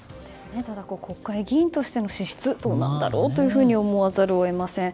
国会議員としての資質はどうなんだろうと思わざるを得ません。